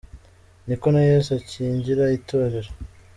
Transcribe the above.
Ni ko na Yesu akingira Itorero.